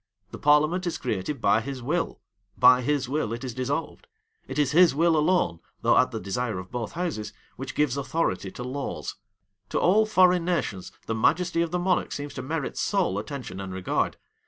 The parliament is created by his will; by his will it is dissolved. It is his will alone, though at the desire of both houses, which gives authority to laws. To all foreign nations, the majesty of the monarch seems to merit sole attention and regard.